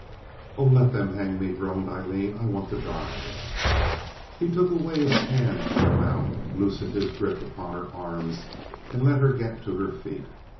"Oh, let them hang me," groaned Aileen. "I want to die." He took away his hand from her mouth, loosened his grip upon her arms, and let her get to her feet.